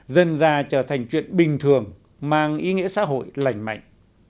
dần ra trở thành chuyện bình thường mang ý nghĩa xã hội lành mạnh